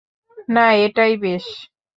না, এটাই বেশ।